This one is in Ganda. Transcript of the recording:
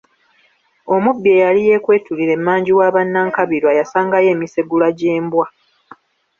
Omubbi eyali yeekwetulira emmanju wa ba Nankabirwa yasangayo emisegula gy’embwa.